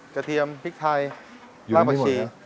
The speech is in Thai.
กระเทียมพริกไทยราบราชี